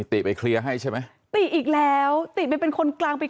เอาหนูไปเซิร์ชมาแล้วรู้ว่าไง